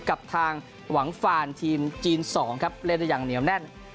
กับทางหวังฟานทีมจีน๒ครับเล่นได้อย่างเหนียวแน่น